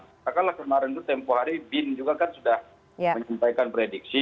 katakanlah kemarin itu tempoh hari bin juga kan sudah menyampaikan prediksi